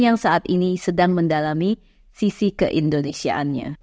yang saat ini sedang mendalami sisi keindonesiaannya